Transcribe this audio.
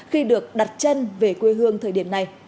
khi được đặt chân về quê hương thời điểm này